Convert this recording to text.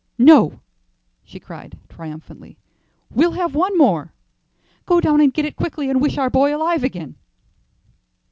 "No," she cried, triumphantly; "we'll have one more. Go down and get it quickly, and wish our boy alive again."